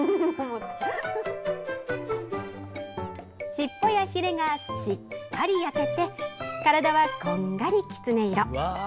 尻尾やひれがしっかり焼けて体は、こんがりキツネ色。